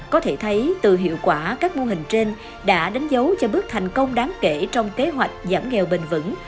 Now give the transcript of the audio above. có thể thấy từ hiệu quả các mô hình trên đã đánh dấu cho bước thành công đáng kể trong kế hoạch giảm nghèo bền vững